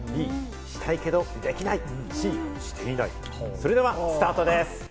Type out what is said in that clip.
それではスタートです。